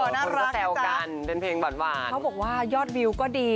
น่ารักค่ะจ๊ะมันก็แซวกันเด้นเพลงหวานเขาบอกว่ายอดวิวก็ดี